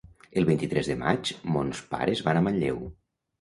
El vint-i-tres de maig mons pares van a Manlleu.